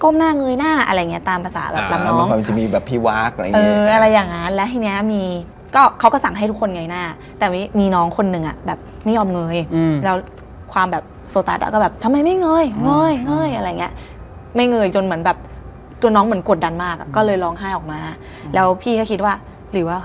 เป็นแบบว่าเต้าที่หรือเทพหรือใด